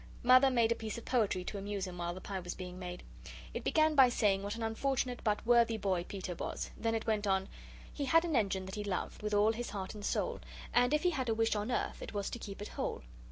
Mother made a piece of poetry to amuse him while the pie was being made. It began by saying what an unfortunate but worthy boy Peter was, then it went on: He had an engine that he loved With all his heart and soul, And if he had a wish on earth It was to keep it whole.